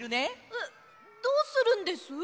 えっどうするんです？